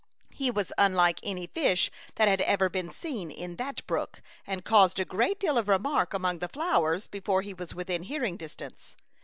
He was unlike any fish that had 88 A Chautauqua Idyl. ever been seen in that brook, and caused a great deal of remark among the flowers before he was within ■ hearing distance.